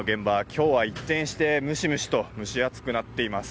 今日は一転してムシムシと蒸し暑くなっています。